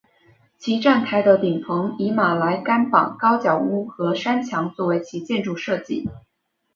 其站台的顶棚以马来甘榜高脚屋和山墙作为其建筑设计。